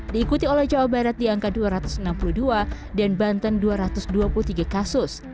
diikuti oleh jawa barat di angka dua ratus enam puluh dua dan banten dua ratus dua puluh tiga kasus